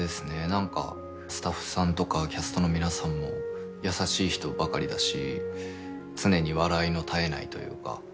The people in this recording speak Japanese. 何かスタッフさんとかキャストの皆さんも優しい人ばかりだし常に笑いの絶えないというか。